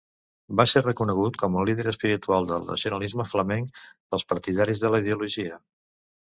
Va ser reconegut com el líder espiritual del nacionalisme flamenc pels partidaris de la ideologia.